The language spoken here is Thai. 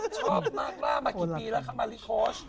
ชอบมากมากกี่ปีแล้วค่ะมะลิโค้ช